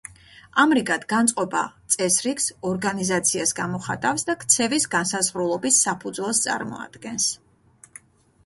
ამრიგად, განწყობა წესრიგს, ორგანიზაციას გამოხატავს და ქცევის განსაზღვრულობის საფუძველს წარმოადგენს.